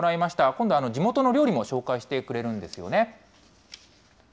今度、地元の料理も紹介してくれるんですよね。